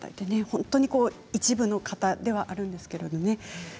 本当に一部の方ではあるんですけれどもね。